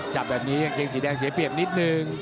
จับแบบนี้กางเกงสีแดงเสียเปรียบนิดนึง